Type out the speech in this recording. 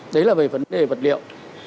đấy là về vấn đề vật liệu